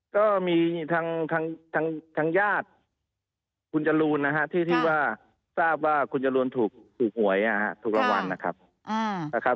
ก็มีทางยาดคุณจรูนที่ซาบว่าคุณจรูนถูกหวยทุกครั้งวันงาน